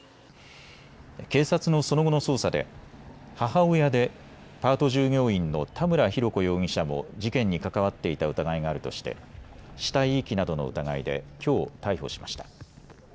警察のその後の捜査で母親でパート従業員の田村浩子容疑者も事件に関わっていた疑いがあるとして死体遺棄などの疑いできょう逮捕しました。